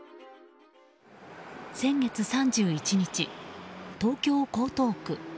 先月３１日、東京・江東区。